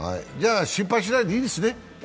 心配しないでいいですね？